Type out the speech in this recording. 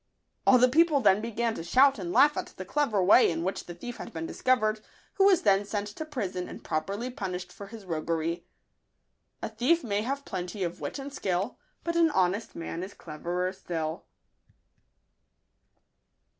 All the people then began to shout and laugh at the clever way in which the thief had been discovered, who was then sent to prison and properly punished for his roguery. A thief may have plenty of wit and skill, But an honest man is cleverer still.